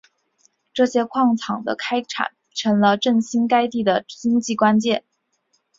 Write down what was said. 这些矿藏的开发成了振兴该地区经济的关键。